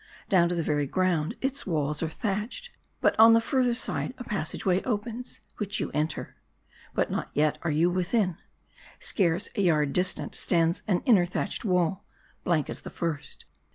Down to the very ground, its walls are thatched ; but on the farther side a passage way opens, which you enter. But not yet are you within. Scarce a yard distant, stands an inner thatched wall, blank as the first.